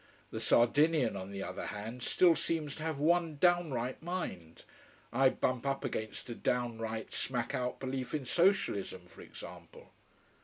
The Sardinian, on the other hand, still seems to have one downright mind. I bump up against a downright, smack out belief in Socialism, for example.